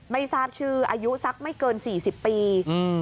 ไม่ทราบชื่ออายุสักไม่เกินสี่สิบปีอืม